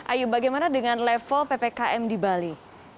ayu bagaimana dengan level ppkm di bali